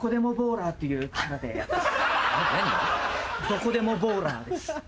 「どこでもボウラー」です。